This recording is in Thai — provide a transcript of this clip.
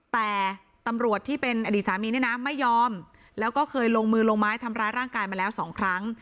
แต่ตำรวจที่เป็นอดีตสามีเนี่ยนะไม่ยอมแล้วก็เคยลงมือลงไม้ทำร้ายร่างกายมาแล้วสองครั้ง